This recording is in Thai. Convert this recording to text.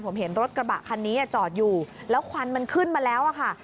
ผมเห็นรถกระบะคันนี้จอดอยู่แล้วควันมันขึ้นมาแล้วอะค่ะ